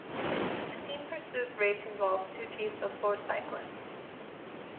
A team pursuit race involves two teams of four cyclists.